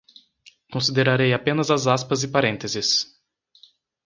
Considerarei apenas as aspas e parênteses